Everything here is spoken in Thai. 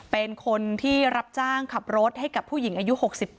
เป็นคนที่รับจ้างขับรถให้กับผู้หญิงอายุ๖๘